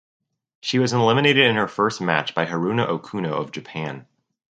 She was eliminated in her first match by Haruna Okuno of Japan.